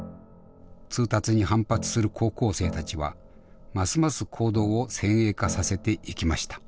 通達に反発する高校生たちはますます行動を先鋭化させていきました。